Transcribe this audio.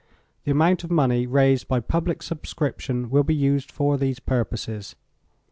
The amount of money raised by public subscription will be used for these purposes.